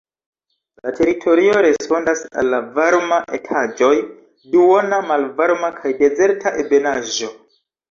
La teritorio respondas al la varma etaĝoj, duona, malvarma kaj dezerta ebenaĵo.